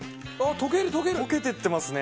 溶けていってますね。